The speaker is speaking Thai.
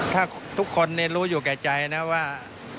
ถ้าทุกคนรู้อยู่แก่ใจนะว่า